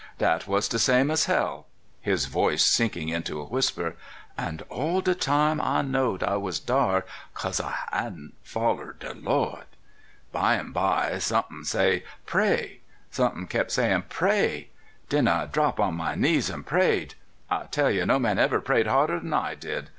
Dat was de same as hell [his voice sinking into a whis per], an' all de time I knowed I was dar 'cause I hadn't follered de Lord. Bymeby somethin' say: "Pray." Somethin' keep sayin' : "Pray." Den I drap on my knees an' prayed. I tell you, no man ever prayed harder' n I did